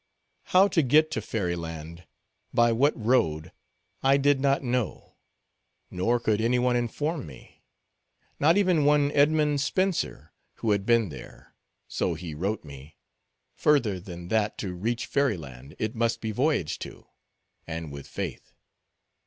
How to get to fairy land, by what road, I did not know; nor could any one inform me; not even one Edmund Spenser, who had been there—so he wrote me—further than that to reach fairy land, it must be voyaged to, and with faith.